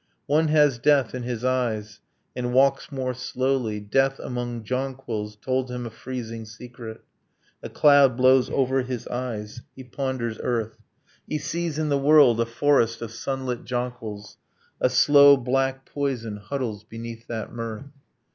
One has death in his eyes: and walks more slowly. Death, among jonquils, told him a freezing secret. A cloud blows over his eyes, he ponders earth. He sees in the world a forest of sunlit jonquils: A slow black poison huddles beneath that mirth.